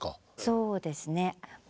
そうですね。